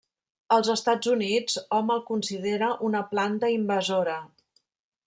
Als Estats Units hom el considera una planta invasora.